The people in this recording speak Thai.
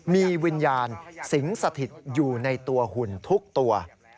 มีวิญญาณสิงสถิตอยู่ในตัวหุ่นทุกตัว